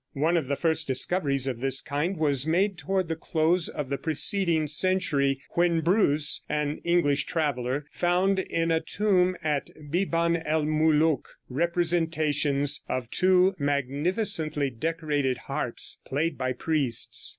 One of the first discoveries of this kind was made toward the close of the preceding century, when Bruce, an English traveler, found in a tomb at Biban El Moulouk representations of two magnificently decorated harps played by priests.